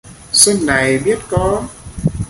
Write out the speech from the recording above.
Xuân này biết có